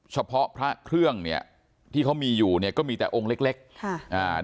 เฉพาะพระเครื่องเนี่ยที่เขามีอยู่เนี่ยก็มีแต่องค์เล็กเล็กค่ะอ่า